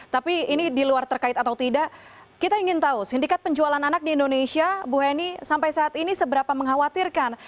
tapi ini di luar terkait atau tidak kita ingin tahu sindikat penjualan anak di indonesia bu heni sampai saat ini seberapa mengkhawatirkan